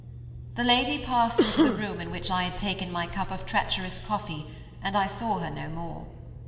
The lady passed into the room in which I had taken my cup of treacherous coffee, and I saw her no more.